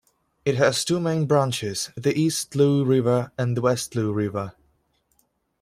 It has two main branches, the East Looe River and the West Looe River.